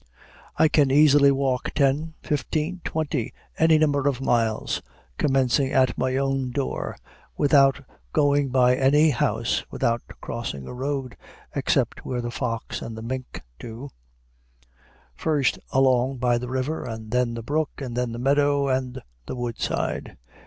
I can easily walk ten, fifteen, twenty, any number of miles, commencing at my own door, without going by any house, without crossing a road except where the fox and the mink do: first along by the river, and then the brook, and then the meadow and the woodside.